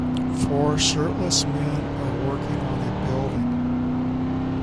Four shirtless men are working on a building.